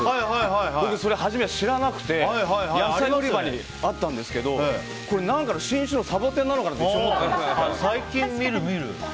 僕、はじめ知らなくて野菜売り場にあったんですけど何か新種のサボテンなのかなって最近見る。